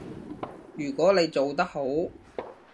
如果你做得好